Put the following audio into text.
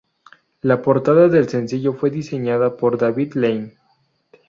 La portada del sencillo fue diseñada por David Lane.